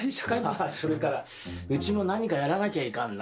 あそれからうちも何かやらなきゃいかんな。